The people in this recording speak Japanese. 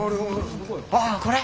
ああこれ。